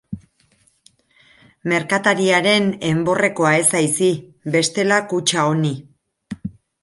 Merkatariaren enborrekoa ez haiz hi, bestela kutxa honi.